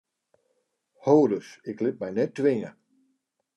Ho ris, ik lit my net twinge!